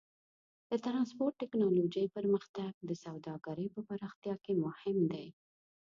د ټرانسپورټ ټیکنالوجۍ پرمختګ د سوداګرۍ په پراختیا کې مهم دی.